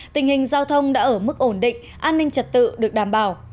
tình hình giao thông đã ở mức ổn định an ninh trật tự được đảm bảo